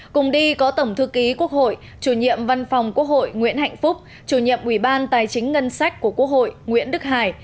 cùng đi có tổng thư ký quốc hội chủ nhiệm văn phòng quốc hội nguyễn hạnh phúc chủ nhiệm ủy ban tài chính ngân sách của quốc hội nguyễn đức hải